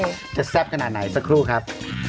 ว่าจะแซ่บขนาดไหนสักครู่ครับ